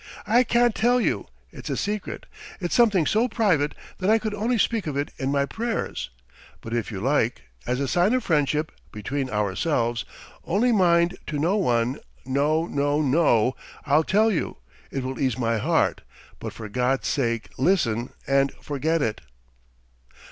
"I can't tell you. It's a secret. It's something so private that I could only speak of it in my prayers. But if you like ... as a sign of friendship, between ourselves ... only mind, to no one, no, no, no, ... I'll tell you, it will ease my heart, but for God's sake ... listen and forget it.